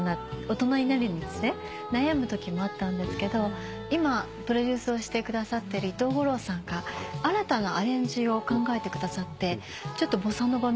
大人になるにつれ悩むときもあったんですけど今プロデュースをしてくださってる伊藤ゴローさんが新たなアレンジを考えてくださってちょっとボサノヴァみたいな。